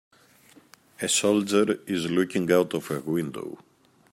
A soldier is looking out of a window.